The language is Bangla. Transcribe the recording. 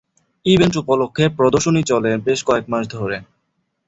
ইভেন্ট উপলক্ষে, প্রদর্শনী চলে বেশ কয়েক মাস ধরে।